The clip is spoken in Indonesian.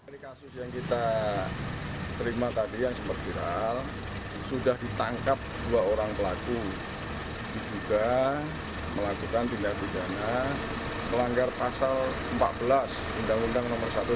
di kasus yang kita terima tadi yang sempat viral sudah ditangkap dua orang pelaku dibuka melakukan tindak tindak melanggar pasal empat belas undang undang no satu